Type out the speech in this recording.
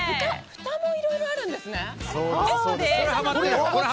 ふたもいろいろあるんですね。